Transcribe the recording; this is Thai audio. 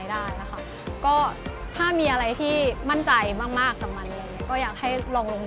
เราคิดว่ามันสิ่งที่ยาก